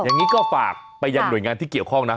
อย่างนี้ก็ฝากไปยังหน่วยงานที่เกี่ยวข้องนะ